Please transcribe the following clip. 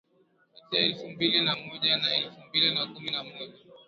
kati ya elfu mbili na moja na elfu mbili na kumi na moja